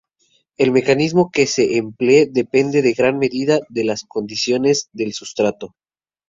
El mecanismo que se emplee depende en gran medida de las condiciones del sustrato.